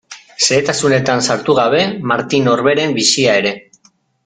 Xehetasunetan sartu gabe Martin Orberen bizia ere.